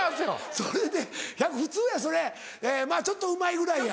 それで普通やそれまぁちょっとうまいぐらいや。